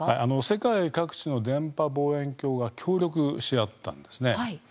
世界各地の電波望遠鏡が協力し合ったんです。